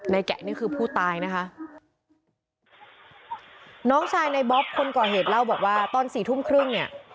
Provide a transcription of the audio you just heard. แกะนี่คือผู้ตายนะคะน้องชายในบ๊อบคนก่อเหตุเล่าบอกว่าตอนสี่ทุ่มครึ่งเนี่ย